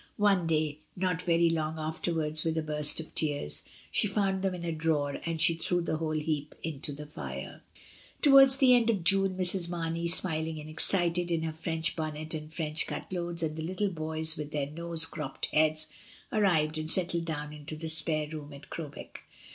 One day, not very long afterwards, with a burst of tears, she found them in a drawer, and she thresv the whole heap into the fire. Towards the end of June, Mrs. Mamey, smiling and excited, in her French bonnet and French cut clothes, and the little boys, with their close cropped heads, arrived and settled down into the spare rooms at Crowbeck.